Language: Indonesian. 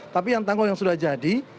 tapi yang tanggul yang sudah jadi